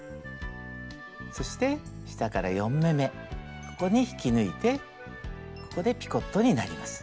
そして下から４目めここに引き抜いてここでピコットになります。